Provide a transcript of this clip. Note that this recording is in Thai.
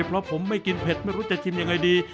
เพราะผมไม่กินเผ็ดไม่รู้จะชิมยังไงดี